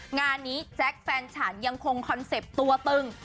งานนี้แจ๊คแฟนฉันยังคงคอนเซ็ปต์ตัวตึง